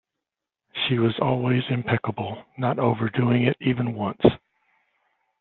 She was always impeccable, not overdoing it even once.